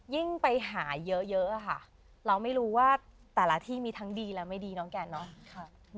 ยิ่งไปหาเยอะค่ะเราไม่รู้ว่าแต่ละที่มีทั้งดีและไม่ดีน้องแก่เนาะ